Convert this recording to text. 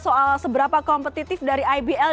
soal seberapa kompetitif dari ibl